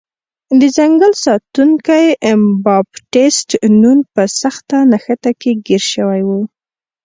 د ځنګل ساتونکی بابټیست نون په سخته نښته کې ګیر شوی و.